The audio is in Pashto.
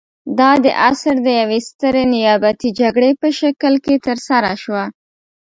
دا د عصر د یوې سترې نیابتي جګړې په شکل کې ترسره شوه.